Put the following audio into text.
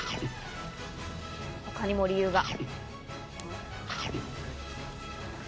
他にも理由が。